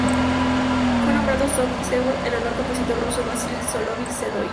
Fue nombrado Solovjev-Sedoj en honor al compositor ruso Vasili Soloviov-Sedói.